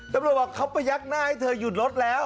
ตำรวจบอกเขาประยักหน้าให้เธอหยุดรถแล้ว